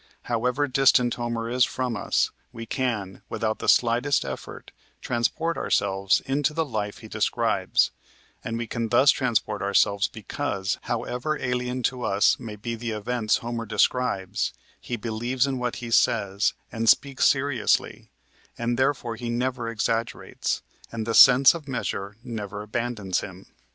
However distant Homer is from us, we can, without the slightest effort, transport ourselves into the life he describes, and we can thus transport ourselves because, however alien to us may be the events Homer describes, he believes in what he says and speaks seriously, and therefore he never exaggerates, and the sense of measure never abandons him.